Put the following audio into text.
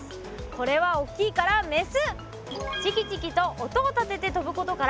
これはおっきいからメス！